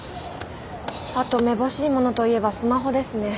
あとめぼしいものといえばスマホですね。